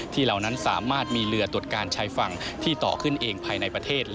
เหล่านั้นสามารถมีเรือตรวจการชายฝั่งที่ต่อขึ้นเองภายในประเทศ